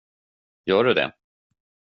Gör du det?